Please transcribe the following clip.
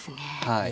はい。